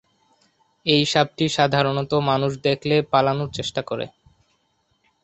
এই সাপটি সাধারনত মানুষ দেখলে পালানোর চেষ্টা করে।